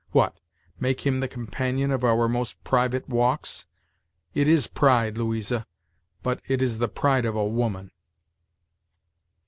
What! make him the companion of our most private walks! It is pride, Louisa, but it is the pride of a woman."